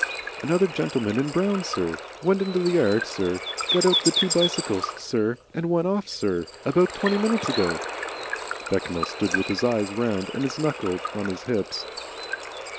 "Another gentleman in brown, sir. Went into the yard, sir, got out the two bicycles, sir, and went off, sir about twenty minutes ago." Bechamel stood with his eyes round and his knuckle on his hips.